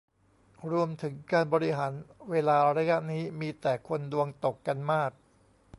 รวมถึงการบริหารเวลาระยะนี้มีแต่คนดวงตกกันมาก